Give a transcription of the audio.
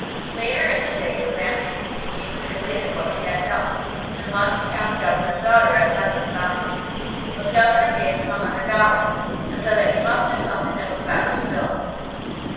Later in the day the Master Thief came and related what he had done, and wanted to have the Governor's daughter as had been promised. But the Governor gave him a hundred dollars, and said that he must do something that was better still.